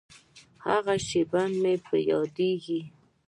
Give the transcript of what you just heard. هغه شېبې مې په یادیږي.